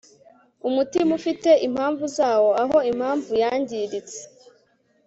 Umutima ufite impamvu zawo aho impamvu yangiritse